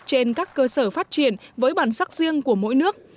trên các cơ sở phát triển với bản sắc riêng của mỗi nước